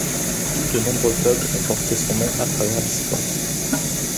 De nombreux pubs ont porté son nom à travers l'histoire.